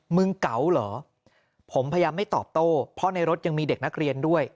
เก๋าเหรอผมพยายามไม่ตอบโต้เพราะในรถยังมีเด็กนักเรียนด้วย